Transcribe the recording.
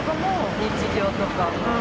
日常とかも。